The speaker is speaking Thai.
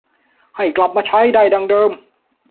ให้กลับมาใช้ได้ดังเดิม